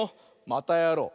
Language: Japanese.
またやろう！